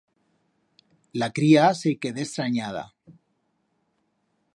La cría se i quedé estraniada.